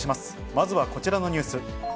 まずはこちらのニュース。